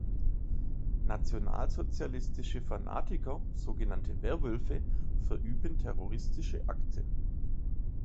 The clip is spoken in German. Nationalsozialistische Fanatiker, so genannte Werwölfe, verüben terroristische Akte.